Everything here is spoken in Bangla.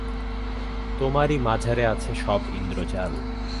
তোমারি মাঝারে আছে সব ইন্দ্রজাল।